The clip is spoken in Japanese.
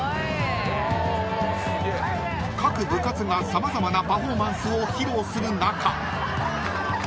［各部活が様々なパフォーマンスを披露する中］